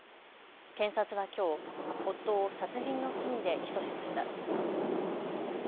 検察はきょう夫を殺人の罪で起訴しました。